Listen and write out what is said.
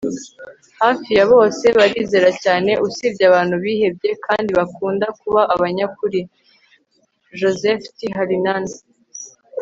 hafi ya bose barizera cyane usibye abantu bihebye, kandi bakunda kuba abanyakuri - joseph t hallinan